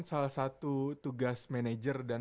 salah satu tugas manajer dan